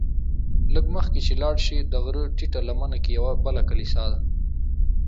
لږ مخکې چې لاړ شې د غره ټیټه لمنه کې یوه بله کلیسا ده.